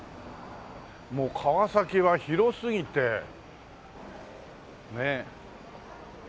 もう川崎は広すぎてねえ。